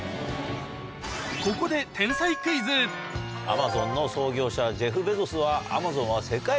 ここでアマゾンの創業者ジェフ・ベゾスは。